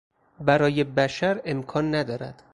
برای بشر امکان ندارد.